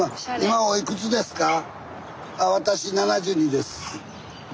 私７２です。